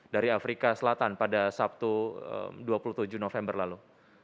dari afrika selatan pada sabtu dua puluh tujuh november lalu